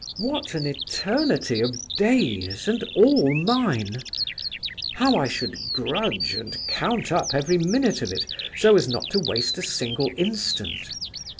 What an eternity of days, and all mine! How I should grudge and count up every minute of it, so as to waste not a single instant!